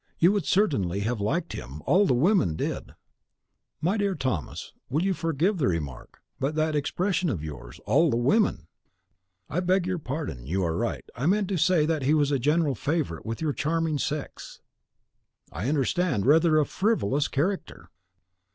You would certainly have liked him, all the women did." "My dear Thomas, you will forgive the remark, but that expression of yours, 'all the WOMEN' " "I beg your pardon, you are right. I meant to say that he was a general favourite with your charming sex." "I understand, rather a frivolous character."